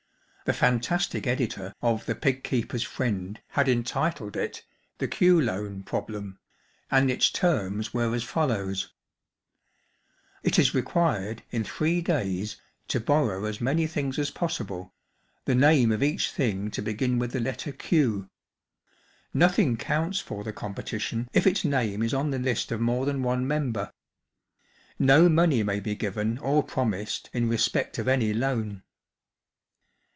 The fantastic editor of The Pig keepers ' Friend had entitled it, " The Q Loan Problem/* and its terms were as follows :‚ÄĒ " It is required in three days to borrow as many things as possible, the name of each thing to begin with thp letter Q. Nothing counts for the competition if its name is on the list of more than one member. No money may be given or promised in respect of any loan."